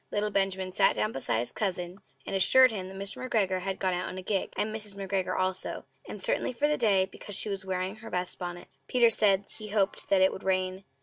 Little Benjamin sat down beside his cousin and assured him that Mr. McGregor had gone out in a gig, and Mrs. McGregor also; and certainly for the day, because she was wearing her best bonnet. Peter said he hoped that it would rain.